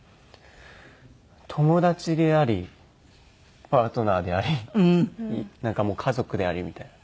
友達でありパートナーでありなんかもう家族でありみたいな。